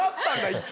一回。